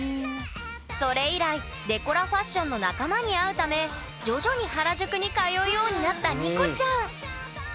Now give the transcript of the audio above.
それ以来デコラファッションの仲間に会うため徐々に原宿に通うようになったＮＩＣＯちゃん。